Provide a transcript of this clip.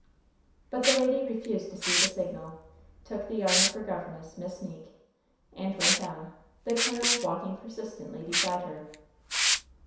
But the lady refused to see the signal, took the arm of her governess, Miss Meeke, and went on, the colonel walking persistently beside her.